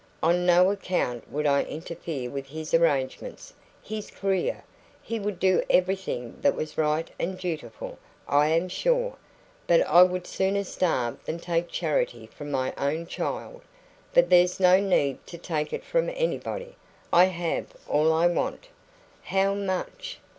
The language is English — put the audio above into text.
"On no account would I interfere with his arrangements, his career. He would do everything that was right and dutiful, I am sure, but I would sooner starve than take charity from my own child. But there's no need to take it from anybody. I have all I want." "How much?"